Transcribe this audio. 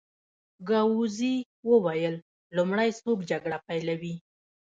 ګاووزي وویل: لومړی څوک جګړه پېلوي؟